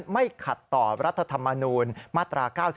ไม่ขัดต่อรัฐธรรมนูลมาตรา๙๔